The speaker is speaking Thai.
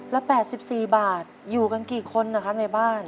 ละ๘๔บาทอยู่กันกี่คนนะครับในบ้าน